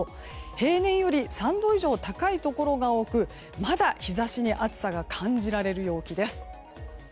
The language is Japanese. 平年より３度以上高いところが多くまだ日差しに暑さが感じられる陽気です。